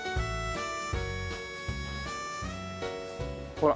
ほら。